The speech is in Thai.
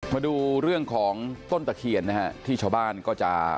มาดูเรื่องของต้นตะเคียนนะฮะที่ชาวบ้านก็จะ